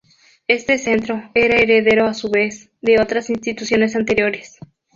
Éste Centro, era heredero a su vez, de otras instituciones anteriores.